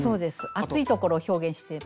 あついところを表現してて。